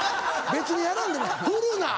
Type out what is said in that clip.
別にやらんでもふるな！